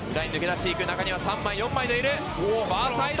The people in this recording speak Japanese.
中には３枚、４枚といる。